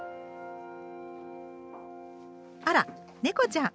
あら猫ちゃん。